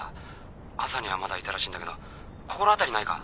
朝にはまだいたらしいんだけど心当たりないか？